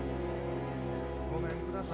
ごめんください。